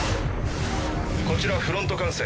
こちらフロント管制。